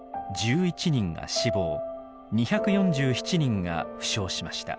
１１人が死亡２４７人が負傷しました。